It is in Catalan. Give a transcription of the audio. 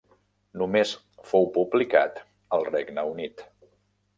Només fou publicat al Regne Unit.